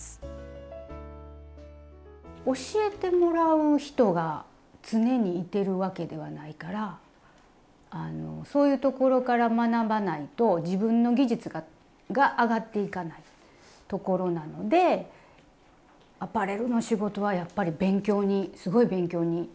教えてもらう人が常にいてるわけではないからあのそういうところから学ばないと自分の技術が上がっていかないところなのでアパレルの仕事はやっぱり勉強にすごい勉強になる。